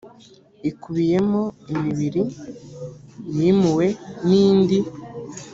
ikubiyemo imibiri yimuwe n’indi